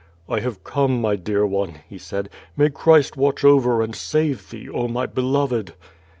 "I have come, my dear one,^' he said, "may Christ watch over and save thee. Oh, my beloved."